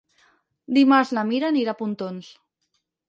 Dimarts na Mira anirà a Pontons.